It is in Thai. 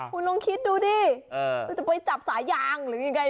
คุณลองคิดดูดิมันจะไปจับสายยางหรือยังไง